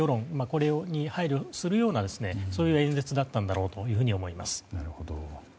これに配慮するような演説だったのだろうと思います。